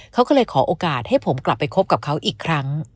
เขาก็เลยขอโอกาสให้ผมกลับไปคบกับเขาอีกครั้ง